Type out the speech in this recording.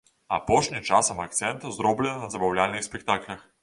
Апошні часам акцэнт зроблены на забаўляльных спектаклях.